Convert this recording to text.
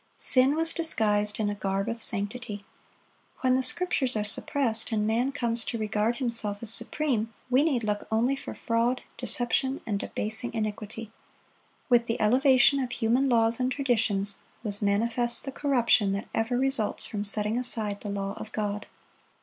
Sin was disguised in a garb of sanctity. When the Scriptures are suppressed, and man comes to regard himself as supreme, we need look only for fraud, deception, and debasing iniquity. With the elevation of human laws and traditions, was manifest the corruption that ever results from setting aside the law of God.